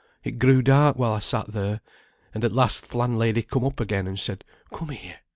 It grew dark while I sat there; and at last th' landlady come up again, and said, 'Come here.'